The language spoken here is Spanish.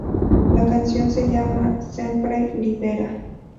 La canción se llama "Sempre Libera".